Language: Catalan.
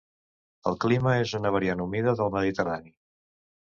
El clima és una variant humida del Mediterrani.